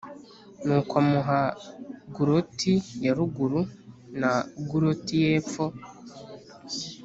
nuko amuha guloti ya ruguru+ na guloti y’epfo.